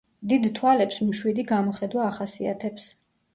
დიდ თვალებს მშვიდი გამოხედვა ახასიათებს.